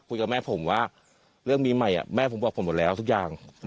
คุยกับแม่ผมว่าเรื่องมีใหม่แม่ผมบอกผมหมดแล้วทุกอย่าง